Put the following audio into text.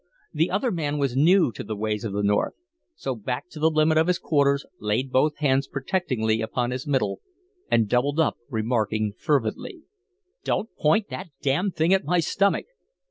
The other man was new to the ways of the North, so backed to the limit of his quarters, laid both hands protectingly upon his middle, and doubled up, remarking, fervidly: "Don't point that damn thing at my stomach."